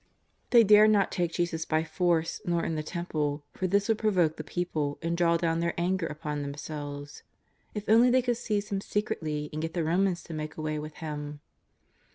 They dared not take Jesus by force nor in the Temple; for this would pro voke the people and draw do^^^l their anger upon them selves. If only they could seize Him secretly and get the Romans to make away with Him